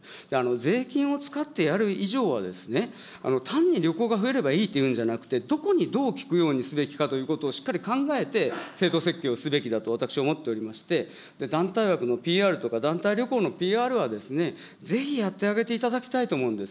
税金を使ってやる以上は、単に旅行が増えればいいっていうんじゃなくて、どこにどう効くようにすべきかということをしっかり考えて、制度設計をすべきだと私は思っておりまして、団体枠のＰＲとか、団体旅行のＰＲは、ぜひやってあげていただきたいと思うんです。